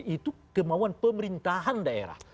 itu kemauan pemerintahan daerah